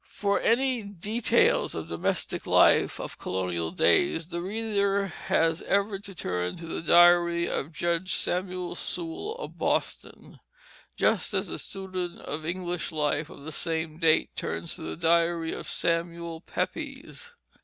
For any details of domestic life of colonial days the reader has ever to turn to the diary of Judge Samuel Sewall of Boston, just as the student of English life of the same date turns to the diary of Samuel Pepys.